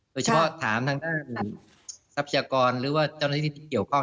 โดยเฉพาะถามทางด้านทรัพยากรหรือว่าเจ้าหน้าที่ที่เกี่ยวข้อง